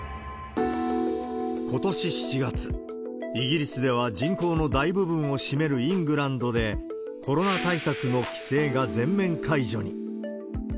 ことし７月、イギリスでは人口の大部分を占めるイングランドで、コロナ対策の規制が全面解除に。